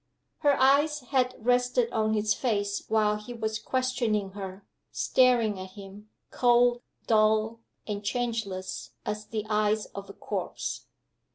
Her eyes had rested on his face while he was questioning her; staring at him, cold, dull, and changeless as the eyes of a corpse.